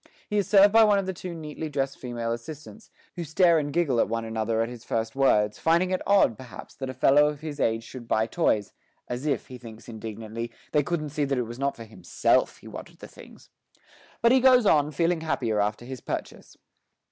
He is served by one of two neatly dressed female assistants, who stare and giggle at one another at his first words, finding it odd, perhaps, that a fellow of his age should buy toys as if, he thinks indignantly, they couldn't see that it was not for himself he wanted the things. But he goes on, feeling happier after his purchase.